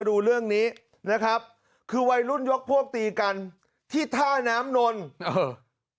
วันนี้นะครับคือวัยรุ่นยกพวกตีกันที่ท่าน้ำนนนต์